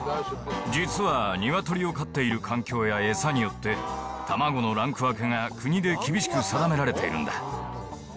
実は鶏を飼っている環境や餌によって、卵のランク分けが国で厳しく定められているんだ。